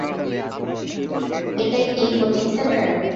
এটাই কি coaching centre?